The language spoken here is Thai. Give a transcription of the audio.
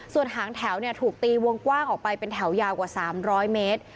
ส่วนหางแถวถูกตีวงกว้างออกไปเป็นแถวยาวกว่า๓๐๐เมตร